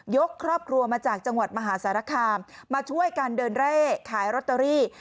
ยกครอบครัวมาจากจังหวัดมหาสารคามมาช่วยกันเดินเร่ขายลอตเตอรี่